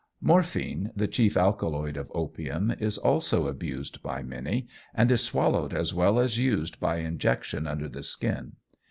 Morphine, the chief alkaloid of opium, is also abused by many, and is swallowed as well as used by injection under the skin.